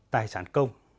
tài sản công